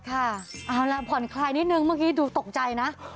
ค่ะเอาล่ะผ่อนคลายนิดนึงเมื่อกี้ดูตกใจนะ